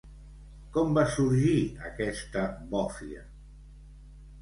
Com va sorgir aquesta bòfia?